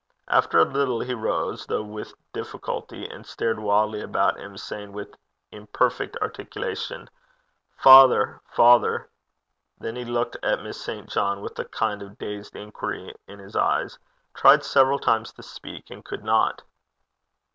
After a little he rose, though with difficulty, and stared wildly about him, saying, with imperfect articulation, 'Father! father!' Then he looked at Miss St. John with a kind of dazed inquiry in his eyes, tried several times to speak, and could not.